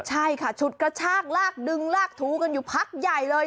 ใช่ค่ะฉุดกระชากลากดึงลากถูกันอยู่พักใหญ่เลย